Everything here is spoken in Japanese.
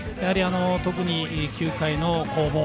特に９回の攻防。